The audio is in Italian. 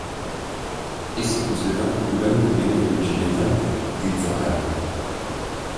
Essa è considerata il più bel monumento rinascimentale di Zara.